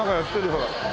ほら。